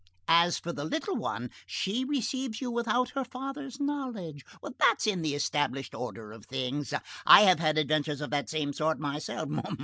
As for the little one, she receives you without her father's knowledge. That's in the established order of things. I have had adventures of that same sort myself.